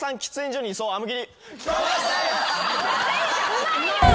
うまいよ！